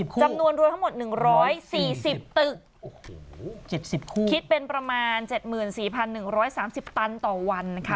จำนวนรวมทั้งหมด๑๔๐ตึก๗๐คู่คิดเป็นประมาณ๗๔๑๓๐ตันต่อวันค่ะ